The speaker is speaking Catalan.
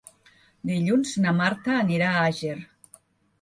Dilluns na Marta anirà a Àger.